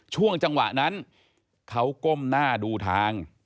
ช่วงจังหวะนั้นเขาก้มหน้าดูทาง